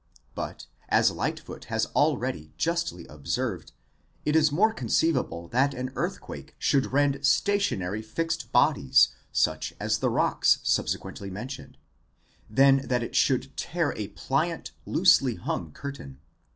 But, as Lightfoot has already justly observed, it is more conceivable that an earthquake should rend stationary fixed bodies such as the rocks subsequently mentioned, than that it should 'tear a pliant, loosely hung curtain.